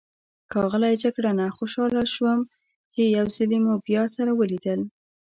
ښاغلی جګړنه، خوشحاله شوم چې یو ځلي مو بیا سره ولیدل.